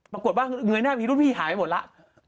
ปรากฏว่าเงยหน้ามีรุ่นพี่หายไปหมดแล้ว